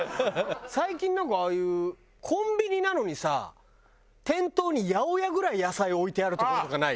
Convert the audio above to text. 最近なんかああいうコンビニなのにさ店頭に八百屋ぐらい野菜置いてある所とかない？